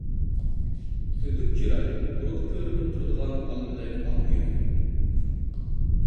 «سۈزۈك چىراي» ئۇرۇقى كۆرۈنۈپ تۇرىدىغان ئالمىدەك ئاق يۈز.